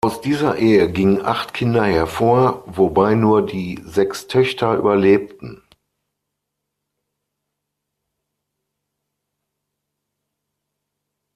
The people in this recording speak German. Aus dieser Ehe gingen acht Kinder hervor, wobei nur die sechs Töchter überlebten.